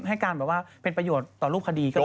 ให้การเป็นประโยชน์ต่อรูปคดี